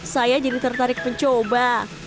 saya jadi tertarik mencoba